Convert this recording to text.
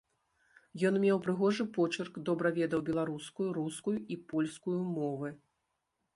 Ён меў прыгожы почырк, добра ведаў беларускую, рускую і польскую мовы.